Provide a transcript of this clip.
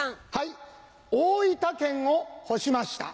大分県を干しました。